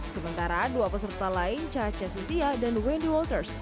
sementara dua peserta lain caca sintia dan wendy walters